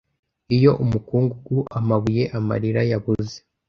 Iyo umukungugu amabuye amarira yabuze